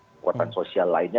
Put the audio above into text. kekuatan sosial lainnya